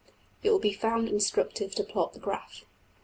(It will be found instructive to plot the graph.)